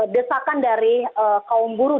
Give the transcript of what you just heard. desakan dari kaum buruh